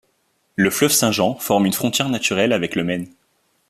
Le fleuve Saint-Jean forme une frontière naturelle avec le Maine.